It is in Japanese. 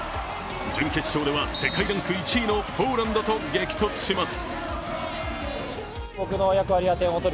準決勝では世界ランク１位のポーランドと激突します。